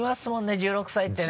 １６歳ってね。